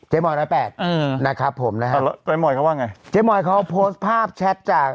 เจ๊มอยด์น้อยแปดเออนะครับผมนะครับเอาแล้วเจ๊มอยด์เขาว่าไงเจ๊มอยด์เขาโพสต์ภาพแชทจาก